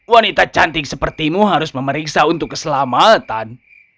wanita cantik sepertimu harus memeriksa untuk keselamatan